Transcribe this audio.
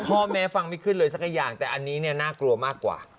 พ่อแม่ฟังไม่ขึ้นเลยสักอย่างแต่อันนี้เนี่ยน่ากลัวมากกว่า